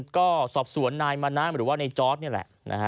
ก็สอบสวนนายมานะหรือว่าในจอร์ดนี่แหละ